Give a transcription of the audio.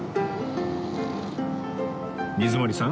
水森さん